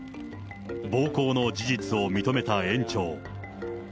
暴行の事実を認めた園長。